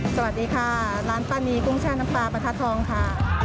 สวัสดีค่ะร้านป้านีกุ้งแช่น้ำปลาประทัดทองค่ะ